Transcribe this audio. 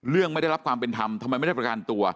ไม่ได้รับความเป็นธรรมทำไมไม่ได้ประกันตัว